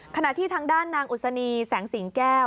ขณะที่ทางด้านนางอุศนีแสงสิงแก้ว